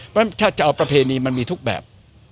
เพราะฉะนั้นถ้าจะเอาประเพณีมันมีทุกแบบ